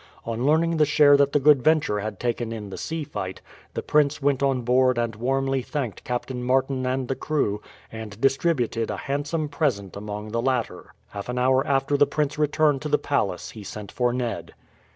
On learning the share that the Good Venture had taken in the sea fight, the prince went on board and warmly thanked Captain Martin and the crew, and distributed a handsome present among the latter. Half an hour after the prince returned to the palace he sent for Ned.